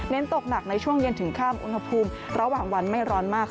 ตกหนักในช่วงเย็นถึงข้ามอุณหภูมิระหว่างวันไม่ร้อนมาก